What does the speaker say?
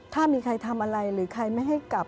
ถ้ามีใครทำอะไรหรือใครไม่ให้กลับ